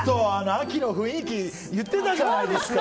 秋の雰囲気言ってたじゃないですか。